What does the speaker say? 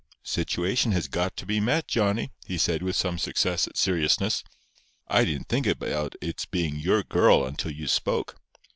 "Situation has got to be met, Johnny," he said, with some success at seriousness. "I didn't think about its being your girl until you spoke.